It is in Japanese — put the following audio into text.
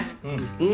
うん。